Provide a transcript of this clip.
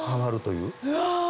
うわ！